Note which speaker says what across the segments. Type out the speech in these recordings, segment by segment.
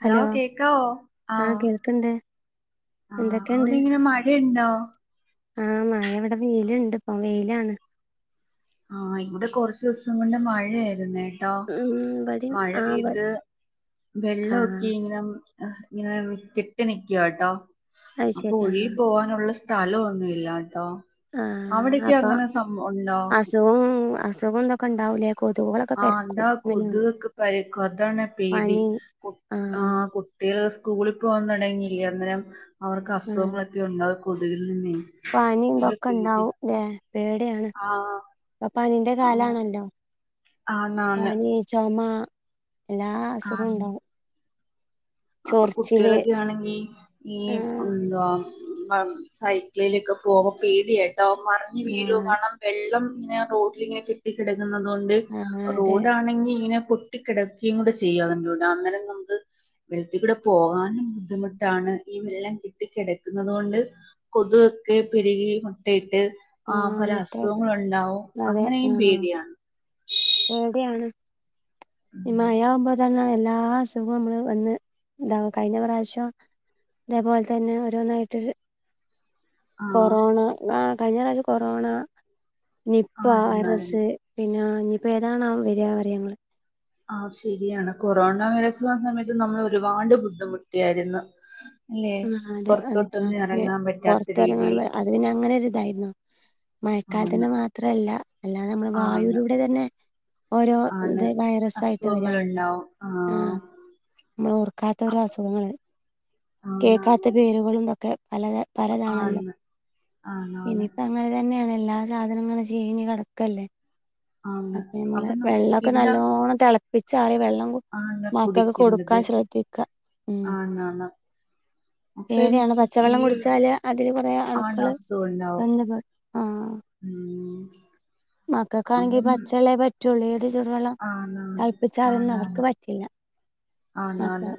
Speaker 1: Hello കേക്കാവോ ആഹ്. ആഹ്
Speaker 2: എന്തൊക്കെണ്ട്
Speaker 1: അവിടെ ഇങ്ങനെ മഴ ഇണ്ടോ?
Speaker 2: ആഹ് മയ ഇവിടെ വെയില്ണ്ട് ഇപ്പം വെയിലാണ്
Speaker 1: ആഹ് ഇവിടെ കൊറച്ച് ദിവസം മുന്നേ മഴയായിരുന്നേ [unintelligible]
Speaker 2: ഉം ഇവടിം
Speaker 1: മഴ
Speaker 2: ആഹ്
Speaker 1: പെയ്ത്
Speaker 2: ആഹ്
Speaker 1: വെള്ളൊക്കെ ഇങ്ങ് ആഹ് ഇങ്ങനെ കെട്ടി നിക്കുവാട്ടോ
Speaker 2: അത്
Speaker 1: അപ്പൊ
Speaker 2: ശരി
Speaker 1: ഒഴി
Speaker 2: ആഹ്
Speaker 1: പോവാൻ അങ്ങനൊള്ള സ്ഥലൊന്നു ഇല്ലാട്ടോ അവിടക്കെ അങ്ങനെ സം ഒണ്ടോ
Speaker 2: [unintelligible] അസുഖോ ഇതൊക്കെ ഇണ്ടാവൂലേ
Speaker 1: ആഹ് എന്താ കൊതുകക്കെ പരക്കും അതാണാ പേടി
Speaker 2: പനി
Speaker 1: കുട് ആഹ് കുട് കുട്ടികള് സ്കൂളിൽ പോകൻ തൊടങ്ങിയില്ലേ അന്നേരം അവർക്ക്
Speaker 2: ആഹ്
Speaker 1: അസുഖങ്ങളൊക്കെ ഒണ്ടാവും കൊതുകിൽ നിന്നെ
Speaker 2: പനി ഇതൊക്കെ ഇണ്ടാവും ല്ലെ പേടിയാണ്
Speaker 1: ആഹ്
Speaker 2: ഇപ്പ പനിന്റെ
Speaker 1: ആണ്
Speaker 2: കാലാണല്ലോ
Speaker 1: ആണാണ്
Speaker 2: പനി ചൊമ എല്ലാ അസുഖവും
Speaker 1: ആണ്
Speaker 2: ഇണ്ടാവും
Speaker 1: അപ്പൊ കുട്ടികളൊക്കെ ആണെങ്കി ഈ
Speaker 2: ആഹ്
Speaker 1: എന്താ ആഹ് സൈക്കിളിലൊക്കെ പോകുമ്പോ പേടിയാ കേട്ടോ മറിഞ്ഞ് വീഴ്‌വോ
Speaker 2: ആഹ്
Speaker 1: കാരണം വെള്ളം ഇങ്ങനെ റോഡിലിങ്ങനെ കെട്ടിക്കിടക്കുന്നത് കൊണ്ട്
Speaker 2: ആഹ് അതെ
Speaker 1: റോഡാണെങ്കി ഇങ്ങനെ കെട്ടിക്കിടക്കേം കൂടെ ചെയ്യാ [unintelligible] അന്നേരം നമ്മക്ക് വെള്ളത്തി കൂടെ പോകാനും ബുദ്ധിമുട്ടാണ് ഈ വെള്ളം കെട്ടി കിടക്കുന്നുന്നത് കൊണ്ട് കൊതുവൊക്കെ പെരുകി മുട്ടയിട്ട് ആഹ് പല അസുഖങ്ങളും ഒണ്ടാവും
Speaker 2: അതെ
Speaker 1: അങ്ങനെയും
Speaker 2: ആഹ്
Speaker 1: പേടിയാണ്
Speaker 2: പേടിയാണ് ഈ
Speaker 1: ഉം
Speaker 2: മഴയാവുമ്പോ തന്നെ എല്ലാ സ് [unintelligible] നമ്മള് വന്ന് ഇതാവും കഴിഞ്ഞ പ്രാവശ്യം ഇതേപോലെ തന്നെ ഓരോന്നായിറ്റ്
Speaker 1: ആഹ്
Speaker 2: കൊറോണ ആഹ് കഴിഞ്ഞ പ്രാശം കൊറോണ നിപ്പ
Speaker 1: ആരുന്നാരുന്നു
Speaker 2: വൈറസ് പിന്നാ ഇനിയിപ്പോ ഏതാണാവോ വെരാ പറയാ ഞങ്ങള്
Speaker 1: ആഹ് ശരിയാണ് കൊറോണ വൈറസ് വന്ന സമയത്ത് നമ്മള് ഒരുപാട് ബുദ്ധിമുട്ടിയായിരുന്നു ഇല്ലേ
Speaker 2: ആ അതെ അതെ
Speaker 1: പുറത്തോട്ടൊന്നും
Speaker 2: ഞങ്ങൾക്ക്
Speaker 1: ഇറങ്ങാൻ പറ്റാത്ത
Speaker 2: പുറത്തിറങ്ങാൻ
Speaker 1: രീതിൽ
Speaker 2: വ- അത് പിന്നെ അങ്ങനെ ഒരു ഇതായിരുന്നു
Speaker 1: ആണ്
Speaker 2: മഴക്കാലത്തിൻ്റെ മാത്രല്ല അല്ലാതെ നമ്മൾ
Speaker 1: ആണ്
Speaker 2: വായൂവിലൂടെ തന്നെ ഓരോ
Speaker 1: ആണ്
Speaker 2: ഇത് വൈറസ് ആയിട്ട് വെരാണല്ലോ ആഹ് നമ്മള് ഓർക്കാത്ത ഒരോ
Speaker 1: അപ്പൊ
Speaker 2: അസുഖങ്ങള് കേക്കാത്ത
Speaker 1: ആണാണ്
Speaker 2: പേരുകളും ഇതൊക്കെ പല പലെതാണല്ലോ
Speaker 1: ആണ് ആണാണ്
Speaker 2: ഇനിയിപ്പ അങ്ങനെ തന്നെയാണ് എല്ലാ സാധനങ്ങളങ്ങും ചീഞ്ഞ് കെടക്കല്ലേ
Speaker 1: ആണ്
Speaker 2: അപ്പ ഞമ്മള്
Speaker 1: അപ്പം ന
Speaker 2: വെള്ളൊക്കെ
Speaker 1: ഇവിടെ
Speaker 2: നല്ലോണ്ണം തെളപ്പിച്ചാറിയ വെള്ളം കു
Speaker 1: ആണ്
Speaker 2: മക്കക്ക്
Speaker 1: കുടിക്കേണ്ടത്
Speaker 2: കൊടുക്കാൻ ശ്രദ്ധിക്കാ ഉം
Speaker 1: [unintelligible] അപ്പം
Speaker 2: പേടിയാണ്
Speaker 1: ഈ
Speaker 2: പച്ചവെള്ളം കുടിച്ചാല് അതില് കൊറേ
Speaker 1: ആണ്
Speaker 2: അണുക്കള്
Speaker 1: അസുഖണ്ടാവും
Speaker 2: ബന്ധപ്പെടും
Speaker 1: ഉം
Speaker 2: മക്കക്കാണെങ്കി
Speaker 1: അപ്പം
Speaker 2: പച്ചവെള്ളേ പറ്റുള്ളൂ ഏത് ചുടുവെള്ളം
Speaker 1: ആണാണ്
Speaker 2: തെളപ്പിച്ചാറിയൊന്നും അവർക്ക് പറ്റില്ലാ
Speaker 1: ആന്നാന്ന്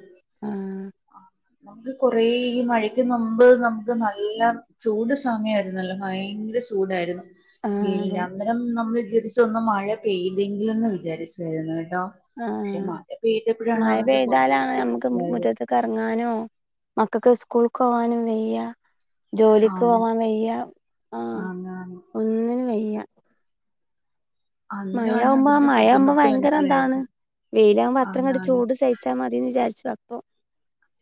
Speaker 2: [inaudible]
Speaker 1: നമുക്ക് കൊറേ ഈ മഴക്ക് മുമ്പ് നമുക്ക് നല്ലാ ചൂട് സമയായിരുന്നല്ലോ ഭയങ്കര ചൂടായിരുന്നു
Speaker 2: ആഹ്
Speaker 1: വെയിലാ
Speaker 2: അതെ
Speaker 1: അന്നേരം നമ്മള് വിചാരിച്ച് ഒന്ന് മഴ പെയ്തെങ്കിലെന്ന് വിചാരിച്ചായിരുന്നു കേട്ടോ പക്ഷെ
Speaker 2: ആഹ്
Speaker 1: മഴ പെയ്തപ്പഴാണ് അതിന്റെ ബുദ്ധിമുട്ട് മനസ്സിലായത്
Speaker 2: ക്കെറങ്ങാനോ മക്കക്ക് സ്കൂൾക്ക് പോവാനും വയ്യാ ജോലിക്ക്
Speaker 1: ആണ്
Speaker 2: പോവാൻ വയ്യാ ആഹ്
Speaker 1: ആണാണ്
Speaker 2: ഒന്നിനും വയ്യാ മയ
Speaker 1: അന്നേരമാണ്
Speaker 2: ആവുമ്പോ
Speaker 1: അതിന്റെ
Speaker 2: മയാവുമ്പോ
Speaker 1: ബുദ്ധിമുട്ട്
Speaker 2: ഭയങ്കര ഇതാണ്
Speaker 1: മനസ്സിലായത്
Speaker 2: വെയിലാവുമ്പോ അത്ര അങ്ങട്
Speaker 1: ആണാണ്
Speaker 2: ചൂട് സഹി ച്ചാ മതീന്ന് വിചാരിച്ചു അപ്പം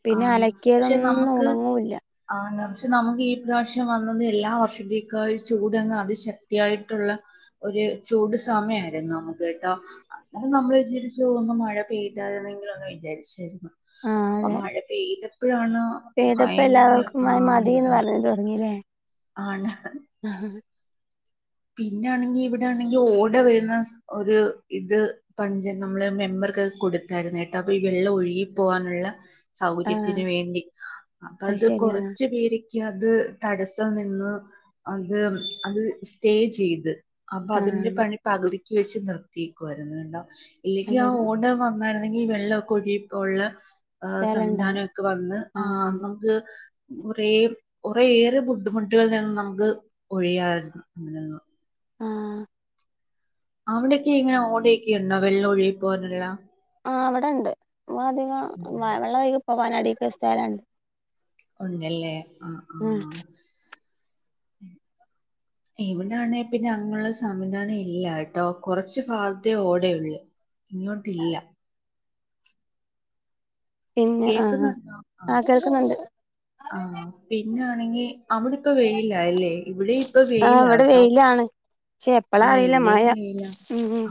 Speaker 2: പിന്നെ അലക്കിയതൊന്നും ഉണങ്ങൂല്ലാ
Speaker 1: ആന്ന് പക്ഷേ നമുക്ക് ഈ പ്രാവിശ്യം വന്നത് എല്ലാ വർഷത്തേക്കാളും ചൂട് അങ്ങ് അത് ശക്തിയായിട്ടുള്ള ഒരു ചൂട് സമയായിരുന്നു നമുക്ക് കേട്ടോ? അങ്ങനെ നമ്മള് വിചാരിച്ചു ഒന്നു മഴ പെയ്തായിരുന്നെങ്കില് ഒന്ന് വിചാരിച്ചായിരുന്നു അപ്പം മഴ പെയ്തെപ്പഴാണ്
Speaker 2: പെയ്തപ്പം എല്ലാവർക്കും മഴ മതീന്ന് പറഞ്ഞ് തൊടങ്ങില്ലേ?
Speaker 1: ആണ്
Speaker 2: ഉം [unintelligible]
Speaker 1: പിന്നാണെങ്കി ഇവിടാണെങ്കി ഓടർ വരുന്ന ഒരു ഇത് പഞ്ച നമ്മള് മെമ്പർക്കൊക്കെ കൊടുത്തായിരുന്നു കേട്ടോ അപ്പം ഈ വെള്ളം ഒഴുകിപ്പോകാനുള്ള സൗകര്യത്തിന് വേണ്ടി അപ്പ അത്
Speaker 2: ശരി ആഹ്
Speaker 1: കൊറച്ചു പേ രൊക്കെ അത് തടസ്സ നിന്ന് അത് അത് സ്റ്റേ ചെയ്ത് അപ്പൊ അതിന്റെ
Speaker 2: ആഹ്
Speaker 1: പണി പകുതിക്ക് വെച്ച് നിർത്തിയേക്കുവായിരുന്നു കേട്ടോ
Speaker 2: അത്
Speaker 1: ഇല്ലെങ്കി ആ
Speaker 2: ശരി
Speaker 1: ഓർഡർ വ ന്നായിരുന്നെങ്കിൽ ഈ വെള്ളംക്കെ ഒഴുകിയപ്പോ ഒള്ള ഏഹ്
Speaker 2: സ്ഥലം ഉണ്ടാവും
Speaker 1: സംവിധാനം ഒക്കെ വന്ന് ആഹ് നമ്മക്ക് കൊറേ കൊറെയേറെ ബുദ്ധിമുട്ടുകളിൽ നിന്ന് നമുക്ക് ഒഴിയാമായിരുന്നു അങ്ങനെ
Speaker 2: ആഹ്
Speaker 1: അവിടെയൊക്കെ ഇങ്ങനെ ഓടയൊക്കെ ഒണ്ടോ വെള്ളം ഒഴികി പോകാനുള്ള?
Speaker 2: ആഹ് ഇവടെണ്ട് ഇവടധികം മഴ വെള്ളം ഒഴുകി പോവാൻ അടീക്ക് സ്ഥലണ്ട്
Speaker 1: ഉണ്ടല്ലേ? ആഹ്
Speaker 2: ഉം
Speaker 1: ഇവിടാണെ പിന്നെ അങ്ങനുള്ള സംവിധാനം ഇല്ല കേട്ടോ? കൊറച്ച് ഭാഗത്തെ ഓടെയൊള്ളു ഇങ്ങോട്ടില്ല
Speaker 2: പിന്നെ ആഹ് ആഹ്
Speaker 1: കേക്കുന്നുണ്ടോ
Speaker 2: ആ കേൾക്കുന്നുണ്ട്
Speaker 1: ആഹ് പിന്നാണെങ്കി അവിടെ ഇപ്പൊ വെയിലാല്ലേ? ഇവിടേം ഇപ്പ വെയിലാട്ടോ
Speaker 2: പക്ഷേ എപ്പളാ
Speaker 1: ആ
Speaker 2: അറിയില്ല മഴ
Speaker 1: ഇവിടെയും
Speaker 2: ഉം ഉം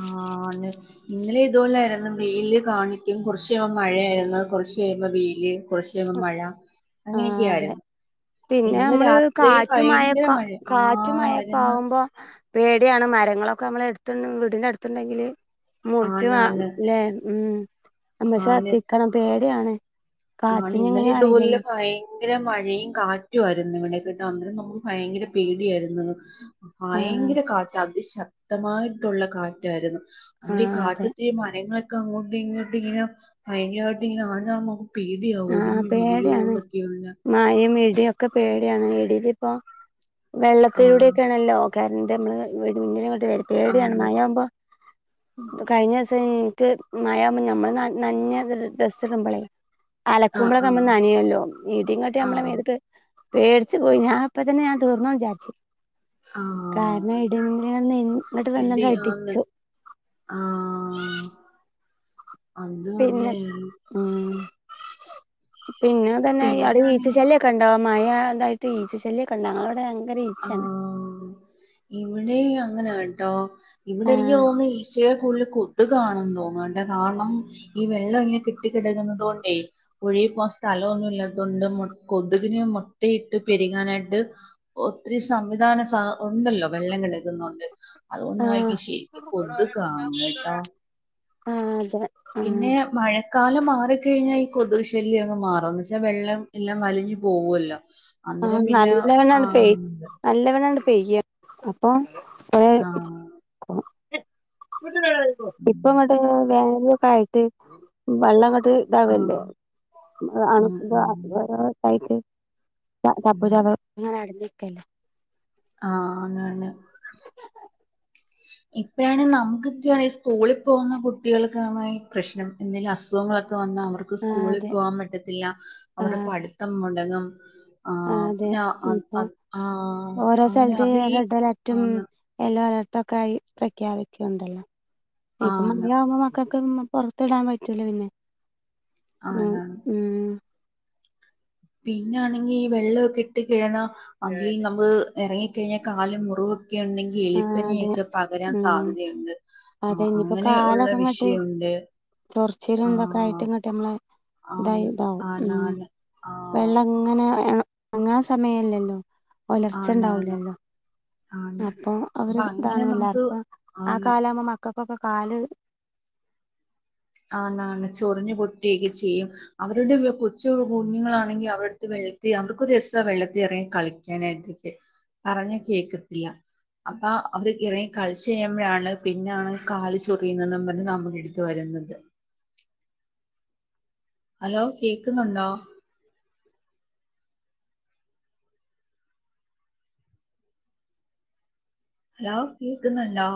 Speaker 1: ഇന്നലേം ഇതുപോലെ ആയിരുന്നു വെയില് കാണിക്കും കൊറച്ച് കയിയുമ്പോ മഴയായിരുന്നു കൊറച്ച് കഴ് യുമ്പോ വെയില് കൊറച്ച് കഴിയുമ്പോ മഴ
Speaker 2: ആഹ് അതെ
Speaker 1: അങ്ങനെയൊക്കെയായിരുന്നു
Speaker 2: പിന്നെ
Speaker 1: ഇന്ന്
Speaker 2: ഞ്ഞമ്മള്
Speaker 1: രാത്രി
Speaker 2: കാറ്റും
Speaker 1: ഭയങ്കര
Speaker 2: മഴൊക്കെ
Speaker 1: മഴ ആ
Speaker 2: കാറ്റും മഴൊക്കെ
Speaker 1: ആയിരുന്നു
Speaker 2: ആവുമ്പോ പേടിയാണ് മരങ്ങളൊക്കെ നമ്മളെ എടുത്തുണ്ടെങ്കി വീടിന്റെ അടുത്തുണ്ടെങ്കില് മുറച്ച് മാ
Speaker 1: ആണാണ്
Speaker 2: ല്ലേ? ഉം നമ്മള്
Speaker 1: ആണ്
Speaker 2: ശ്രദ്ധിക്കണം പേടിയാണ്
Speaker 1: ആണ്
Speaker 2: കാറ്റിന്
Speaker 1: ഇന്നലെ
Speaker 2: എങ്ങനെ
Speaker 1: ഇതുപോലുള്ള
Speaker 2: അറിയില്ലല്ലോ
Speaker 1: ഭയ ങ്കര മഴയും കാറ്റുവായിരുന്നു ഇവിടെ കേട്ടോ അന്നേരം നമുക്ക് ഭയങ്കര പേടിയായിരുന്ന്
Speaker 2: ആഹ്
Speaker 1: ഭയങ്കര കാറ്റ് അതിശക്തമായിട്ടുള്ള കാറ്റായിരുന്നു അന്നേരം ഈ
Speaker 2: ആഹ് അതെ
Speaker 1: കാറ്റത്ത് ഈ മരങ്ങളൊക്കെ അങ്ങോട്ടും ഇങ്ങോട്ടും ഇങ്ങനെ ഭയങ്കരവായിട്ട് ഇങ്ങനെ ആടുന്ന കാണുമ്പോ നമു പേടിയാവും
Speaker 2: ആഹ്
Speaker 1: ഒടിഞ്ഞു വീഴോ
Speaker 2: പേടിയാണ്
Speaker 1: എന്നൊക്കെയുള്ള
Speaker 2: മഴയും ഇടിയും ഒക്കെ പേടിയാണ് ഇടിയിപ്പോ വെള്ളത്തിലൂടെ
Speaker 1: ആഹ്
Speaker 2: ഒക്കെയാണല്ലോ കരന്റ് അമ്മള് വ്ടെ ഇടി മിന്നല്ങ്ങട്ട് വെരും പേടിയാണ്
Speaker 1: ആണ്
Speaker 2: മഴയാകുമ്പോ കഴിഞ്ഞ ദിവസം തന്നെ ഇൻക്ക് മഴാവുമ്പൊ നമ്മള് നനഞ്ഞ ഡ്രസ്സ് ഇടുമ്പളേ
Speaker 1: ആഹ്
Speaker 2: അലക്കുമ്പളെക്കെ നമ്മള്
Speaker 1: ആഹ്
Speaker 2: നനയല്ലോ ഇടി ഇങ്ങട്ട് നമ്മളെ
Speaker 1: ആഹ്
Speaker 2: മേത്ത്ക്ക് പേടിച്ചു പോയി ഞാ അപ്പ തന്നെ ഞാൻ തീർന്ന് വിചാരിച്ചു കാരണേ
Speaker 1: ആഹ്
Speaker 2: ഇടി മിന്നല് വന്ന് നെ ഇങ്ങട്ട് വന്നാണ്ട്
Speaker 1: ഇടി ആണ്
Speaker 2: അടിച്ചു
Speaker 1: ആഹ് അതിനും അങ്ങനെയാണ്
Speaker 2: ആഹ് പിന്നെ ഇതന്നെ അവിടെ ഈച്ച
Speaker 1: പിന്നാണെങ്കി
Speaker 2: ശല്യൊക്കെ ക്കെണ്ടോ? മഴ ഇതായിട്ട് ഈച്ച ശല്യം ഒക്കെണ്ട് ഞങ്ങളവിടെ നല്ല
Speaker 1: ആഹ് ഇവിടേം അങ്ങന കേട്ടോ ഇവിടെ എനിക്ക്
Speaker 2: ആഹ്
Speaker 1: തോന്നുന്നു ഈച്ചയെ കൂടുതൽ കു കൊത്കാണെന്ന്തോന്നും താണ്ടേ കാരണം ഈ വെള്ളം ഇങ്ങനെ കെട്ടിക്കിടക്കുന്നത് കൊണ്ടേ ഒഴുകി പോവാൻ സ്ഥലൊന്നും ഇല്ലാത്തോണ്ട് മുട് കൊതുകിന് മുട്ടയിട്ട് പെര്കാനായിട്ട് ഒത്തിരി സംവിധാന സ ഉണ്ടല്ലോ വെള്ളം കിടക്കുന്നോണ്ട്
Speaker 2: ആഹ്
Speaker 1: അതുകൊണ്ടായിരിക്കും ശരിക്ക് കൊതുകാണ് ട്ടോ
Speaker 2: ആഹ് അതെ ആഹ്
Speaker 1: പിന്നെ മഴ കാലം മാറിക്കഴിഞ്ഞാൽ ഈ കൊതുക് ശല്യം അങ് മാറും എന്ന്വെച്ചാ വെള്ളം എല്ലാം വലിഞ്ഞ് പോവോല്ലോ അന്നേരം പിന്നെ ആഹ്
Speaker 2: നല്ലവണ്ണംണ്ട് പെയ്യാ അപ്പൊ ഒ
Speaker 1: ആഹ് ഉം
Speaker 2: ഇപ്പൊ ഇവടെ വേനലൊക്കെ ആയിട്ട് വെള്ളം ഇങ്ങട്ട്
Speaker 1: ആഹ്
Speaker 2: ഇതാവല്ലോ അണു
Speaker 1: ഉം
Speaker 2: ഇതാ
Speaker 1: ഉം
Speaker 2: ധാരാളൊക്കായിട്ട് ചപ്പ്
Speaker 1: ഉം
Speaker 2: ചവർങ്ങനെ അടഞ്ഞിക്കല്ലേ
Speaker 1: ആഹ് അങ്ങാണ് ഇപ്പഴാണ് നമുക്കൊക്കെ ആയേ സ്കൂളിൽ പോകുന്ന കുട്ടികൾക്കാണ് ഈ പ്രശ്നം എന്തെങ്കിലും അസുഖങ്ങളൊക്കെ വന്നാൽ അവർക്ക് ക്ക്
Speaker 2: ആ
Speaker 1: സ്കൂളിൽ
Speaker 2: അതെ
Speaker 1: പോകൻ പറ്റത്തില്ല അവരുടെ പഠിത്തം മുടങ്ങും
Speaker 2: ആഹ് അതെ
Speaker 1: പിന്നെ അത്
Speaker 2: ഇപ്പൊ
Speaker 1: അത് ആഹ്
Speaker 2: ഓരോ
Speaker 1: അങ്ങനെ
Speaker 2: സ്ഥലത്ത്
Speaker 1: അത് ഈ
Speaker 2: റെഡ് അലർട്ടും
Speaker 1: ആന്ന്
Speaker 2: യെല്ലോ അലർട്ടും ഒക്കെ ആയി പ്രഖ്യാപിക്ണ്ടല്ലോ ഇപ്പം
Speaker 1: ആന്ന്
Speaker 2: മഴയാവുമ്പോ മക്കൾക്ക് പുറത്ത്ടാൻ പറ്റൂല പിന്നെ ഉം
Speaker 1: ആന്നാണ്
Speaker 2: ഉം
Speaker 1: പിന്നൊണെങ്കി ഈ വെള്ളൊക്കെ ഇട്ട് കിഴഞ്ഞാ അങ്കി നമ്മള് ഇറങ്ങിക്കഴിഞ്ഞാൽ കാല് മുറിവൊക്കെ ഉണ്ടെങ്കി ഈ
Speaker 2: ആ അതെ
Speaker 1: എലിപ്പനിയൊക്കെ പകരാൻ
Speaker 2: ഉം
Speaker 1: സാധ്യതയുണ്ട്.
Speaker 2: അതെ
Speaker 1: ആഹ്
Speaker 2: ഇനിയിപ്പോ
Speaker 1: അങ്ങനെ ഉള്ള
Speaker 2: കാലൊക്കെ ഇങ്ങോട്ട്
Speaker 1: വിഷയുണ്ട്
Speaker 2: ചൊറിച്ചിലും ഇതൊക്കെ ആയിട്ട് ഇങ്ങട്ട് മ്മള് ഇതായി
Speaker 1: ആണ്
Speaker 2: ഇതാവും മം
Speaker 1: ആണാണ് ആ
Speaker 2: വെള്ളങ്ങനെ ഇറങ്ങാൻ സമയമല്ലല്ലോ?
Speaker 1: ആണ് ആണ് ആണ്
Speaker 2: അപ്പൊ അവര്
Speaker 1: അപ്പൊ അങ്ങനെ
Speaker 2: താണ്
Speaker 1: നമുക്ക്
Speaker 2: എല്ലാർക്കും ആ
Speaker 1: ആണ്
Speaker 2: കാലാവുമ്പോ മക്കക്കൊക്കെ കാല്
Speaker 1: ആണാണ് ചൊറിഞ്ഞ് പൊട്ടിയൊക്കെ ചെയ്യും അവരുടെ കൊച്ച് കുഞ്ഞുങ്ങളാണെങ്കിൽ അവരുട്ത്ത് വെള്ളത്തി അവർക്കൊരു രസാ വെള്ളത്തില് എറങ്ങി കളിക്ക ങ്ങനാക്കിട്ട് പറഞ്ഞ കേക്കത്തില്ല അപ്പാ അവര് ഇറങ്ങി കളിച് കഴിയ്യുമ്പഴാണ് പിന്നാണ് കാല് ചൊറിയുന്നെന്നു പറഞ്ഞ് നമ്മുക്കടുത്ത് വരുന്നത്. [inaudible] ഹലോ കേൾക്കുന്നുണ്ടോ? ഹലോ കേൾക്കുന്നുണ്ടോ?